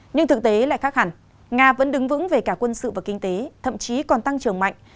nhưng thực tế lại khác hẳn nga vẫn đứng vững về cả quân sự và kinh tế thậm chí còn tăng trưởng mạnh